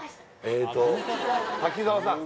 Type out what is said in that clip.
えっと滝澤さん